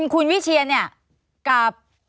คุณวิเชียนกับ